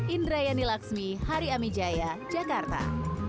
indra yani laxmi hari amijaya jakarta